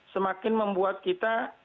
semakin membuat kita